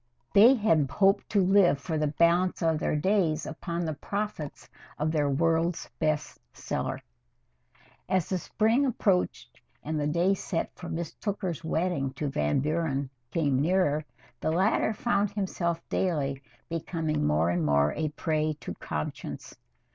They had hoped to live for the balance of their days upon the profits of their World's Best Seller. IV As the spring approached and the day set for Miss Tooker's wedding to Van Buren came nearer, the latter found himself daily becoming more and more a prey to conscience.